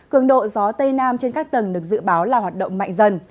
cường độ gió tây nam trên các tầng được dự báo là hoạt động mạnh dần